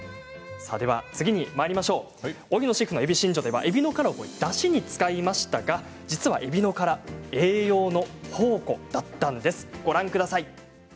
次にまいりましょう荻野シェフのえびしんじょではえびの殻をだしに使いましたが実はえびの殻、栄養の宝庫だったんです。